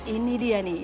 ini dia nih